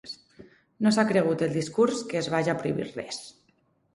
No s’ha cregut el discurs que es vaja a prohibir res.